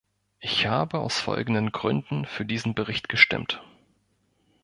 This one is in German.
Ich habe aus folgenden Gründen für diesen Bericht gestimmt.